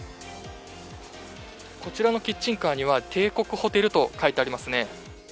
こちらのキッチンカーには帝国ホテルと書いてありますね。